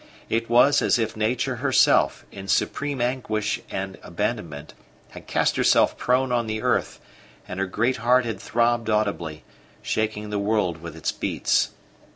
It was as if Nature herself, in supreme anguish and abandonment, had cast herself prone on the earth, and her great heart had throbbed audibly, shaking the world with its beats.